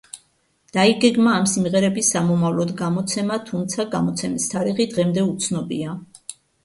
დაიგეგმა ამ სიმღერების სამომავლოდ გამოცემა, თუმცა გამოცემის თარიღი დღემდე უცნობია.